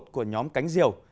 của nhóm cánh diều